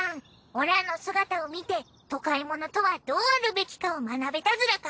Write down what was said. オラの姿を見て都会者とはどうあるべきかを学べたズラか？